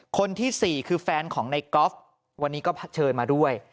คนที่๔คือแฟนของในก๊อฟวันนี้ก็เชิญมาด้วย